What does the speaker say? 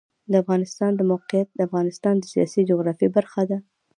د افغانستان د موقعیت د افغانستان د سیاسي جغرافیه برخه ده.